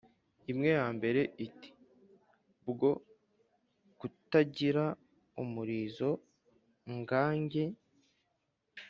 Imwe ya mbere iti: Bwo kutagira umurizo ngange